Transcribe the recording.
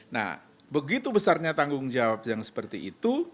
nah begitu besarnya tanggung jawab yang seperti itu